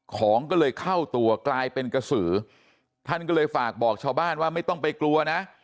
ของก็เลยเข้าตัวกลายเป็นกระสือท่านก็เลยฝากบอกชาวบ้านว่าไม่ต้องไปกลัวนะ